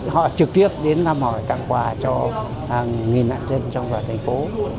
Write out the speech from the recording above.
họ trực tiếp đến thăm hỏi tặng quà cho hàng nghìn nạn nhân trong toàn thành phố